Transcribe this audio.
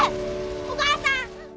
お母さん！